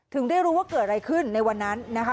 ได้รู้ว่าเกิดอะไรขึ้นในวันนั้นนะคะ